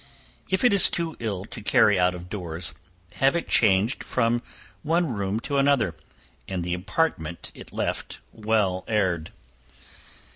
If it is too ill to carry out of doors, have it changed from one room to another, and the apartment it left well aired.